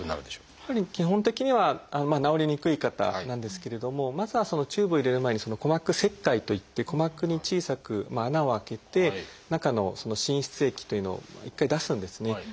やっぱり基本的にはまあ治りにくい方なんですけれどもまずはそのチューブを入れる前に「鼓膜切開」といって鼓膜に小さく穴を開けて中の滲出液というのを一回出すんですね。